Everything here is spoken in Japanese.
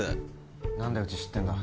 何でうち知ってんだ。